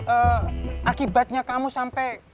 eh akibatnya kamu sampe